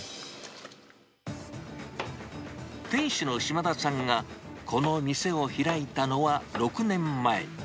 店主の島田さんが、この店を開いたのは６年前。